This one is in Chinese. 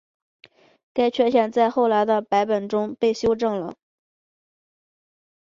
该缺陷在后来的版本中被修正了。